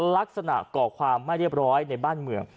ลักษณะก่อความไม่เรียบร้อยในบ้านเมือง